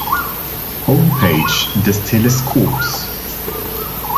Homepage des Teleskops